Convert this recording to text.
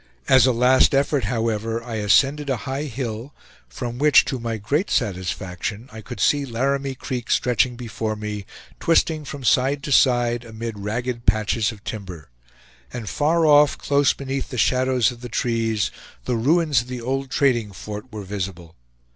As a last effort, however, I ascended a high hill, from which, to my great satisfaction, I could see Laramie Creek stretching before me, twisting from side to side amid ragged patches of timber; and far off, close beneath the shadows of the trees, the ruins of the old trading fort were visible.